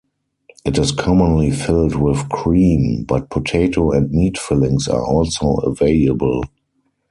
It is commonly filled with cream, but potato and meat fillings are also available.